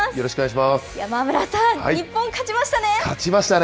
山村さん、日本勝ちましたね。